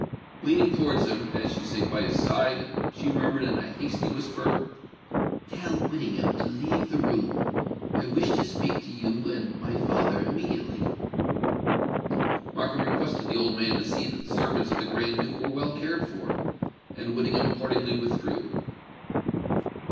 Leaning towards him, as she sate by his side, she murmured in a hasty whisper, "Tell Whittingham to leave the room: I wish to speak to you and my father immediately." Markham requested the old man to see that the servants of the Grand Duke were well cared for; and Whittingham accordingly withdrew.